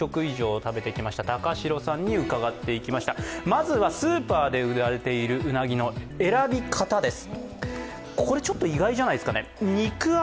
まずはスーパーで売られているうなぎの選び方です。